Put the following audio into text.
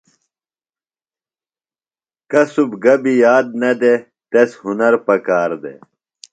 کُصب گبیۡ یاد نہ دےۡ، تس ہُنر پکار دےۡ